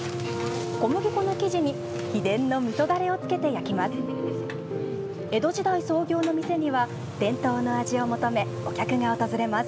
小麦粉の生地に秘伝のみそだれをつけて焼きます。